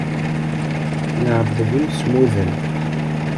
Neɛbed imsemmuden.